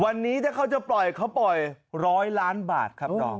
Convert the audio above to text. วันนี้ถ้าเขาจะปล่อยเขาปล่อย๑๐๐ล้านบาทครับดอม